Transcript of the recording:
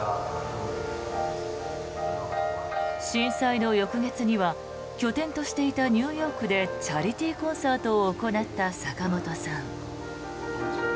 震災の翌月には拠点としていたニューヨークでチャリティーコンサートを行った坂本さん。